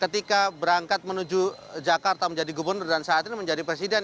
ketika berangkat menuju jakarta menjadi gubernur dan saat ini menjadi presiden